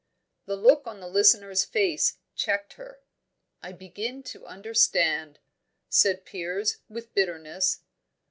The look on the listener's face checked her. "I begin to understand," said Piers, with bitterness.